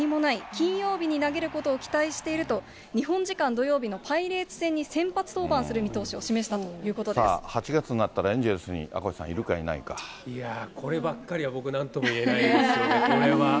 金曜日に投げることを期待していると、日本時間土曜日のパイレーツ戦に先発登板する見通しを示したとい８月になったらエンゼルスにいやー、こればっかりは僕、なんとも言えないですよね、これは。